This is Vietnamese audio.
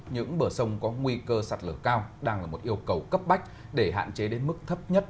những bờ sông có nguy cơ sạt lở cao đang là một yêu cầu cấp bách để hạn chế đến mức thấp nhất